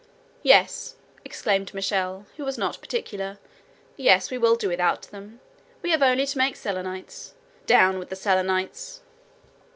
"Yes," exclaimed Michel, who was not particular; "yes, we will do without them. We have only to make Selenites. Down with the Selenites!"